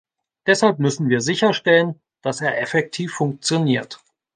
Deshalb müssen wir sicherstellen, dass er effektiv funktioniert.